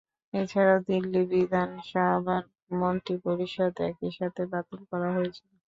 এছাড়াও দিল্লি বিধানসভার মন্ত্রিপরিষদ একই সাথে বাতিল করা হয়েছিল।